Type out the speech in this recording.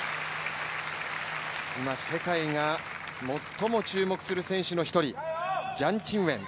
今、世界が最も注目する選手の一人ジャン・チンウェン